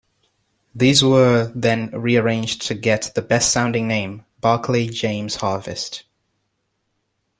These were then rearranged to get the best-sounding name - "Barclay James Harvest".